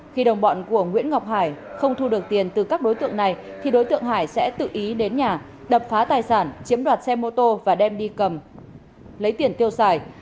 khi đồng bọn của nguyễn ngọc hải không thu được tiền từ các đối tượng này thì đối tượng hải sẽ tự ý đến nhà đập phá tài sản chiếm đoạt xe mô tô và đem đi cầm lấy tiền tiêu xài